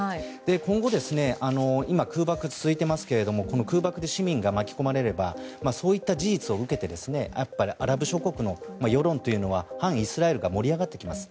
今後、今も空爆続いていますけれども空爆で市民が巻き込まれればそういった事実を受けてアラブ諸国の世論というのは反イスラエルから盛り上がってきます。